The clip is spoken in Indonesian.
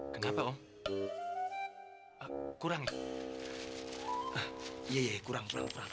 kenapa om kurang